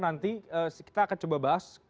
nanti kita akan coba bahas